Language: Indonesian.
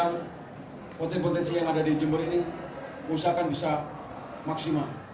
saya juga mengapresiasi tim persit jember dengan pemain pemain yang senior juga